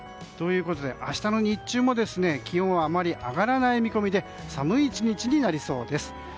ということで、明日の日中も気温はあまり上がらない見込みで寒い１日になりそうです。